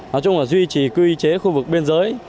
nói chung là duy trì quy chế khu vực biên giới